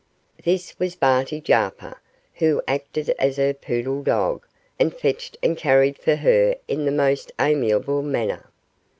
This was Barty Jarper, who acted as her poodle dog, and fetched and carried for her in the most amiable manner.